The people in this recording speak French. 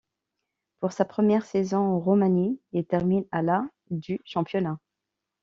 Pour sa première saison en Roumanie, il termine à la du championnat.